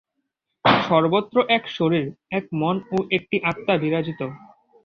সর্বত্র এক শরীর, এক মন ও একটি আত্মা বিরাজিত।